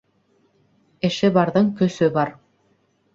Эше барҙың көсө бар.